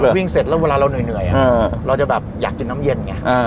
วิ่งเสร็จแล้วเวลาเราเหนื่อยเราจะแบบอยากกินน้ำเย็นไง